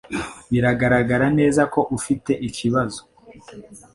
Biragaragara neza ko ufite ikibazo.